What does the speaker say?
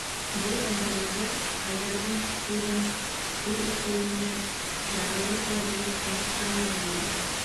Был әңгәмәләр Айҙарҙың һүҙен һүҙ итеүе менән ярылырҙай булып маҡтаныуы булды.